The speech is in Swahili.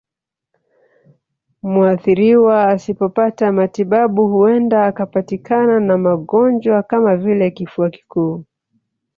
Muathiriwa asipopata matibabu huenda akapatikana na magonjwa kama vile kifua kikuu